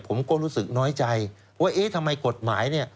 ผมก็รู้สึกน้อยใจว่าเอ๊ะทำไมกฎหมายเนี่ย